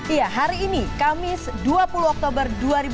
iya hari ini kamis dua puluh oktober dua ribu dua puluh